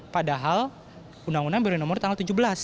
padahal undang undang baru nomor tanggal tujuh belas